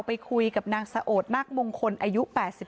ไปคุยกับนางสะโอดมากมงคลอายุ๘๒